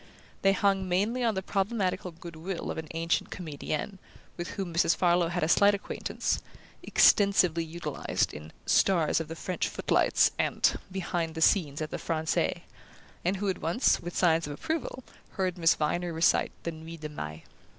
They hung mainly on the problematical good will of an ancient comedienne, with whom Mrs. Farlow had a slight acquaintance (extensively utilized in "Stars of the French Footlights" and "Behind the Scenes at the Francais"), and who had once, with signs of approval, heard Miss Viner recite the Nuit de Mai.